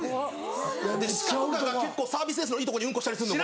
鹿とかが結構サービスエースのいいとこにウンコしたりすんの。